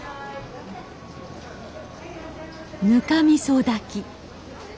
「ぬかみそ炊き」。